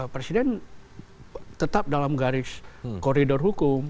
presiden tetap dalam garis koridor hukum